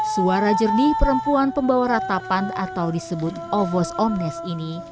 suara jernih perempuan pembawa ratapan atau disebut ovos omnes ini